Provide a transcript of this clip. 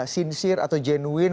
sinsir atau genuine